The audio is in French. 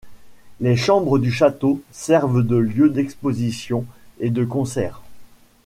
Les chambres du château servent de lieu d'exposition et de concert.